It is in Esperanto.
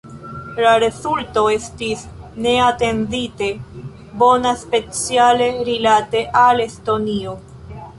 La rezulto estis neatendite bona, speciale rilate al Estonio.